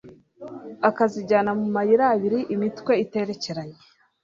akazijyana mu mayirabiri, imitwe iterekeranye,